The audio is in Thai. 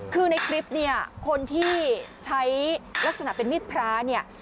คือในคลิปเนี่ยคนที่ใช้ลักษณะเป็นมีดพระเนี่ย